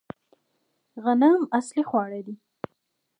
غنم اصلي خواړه دي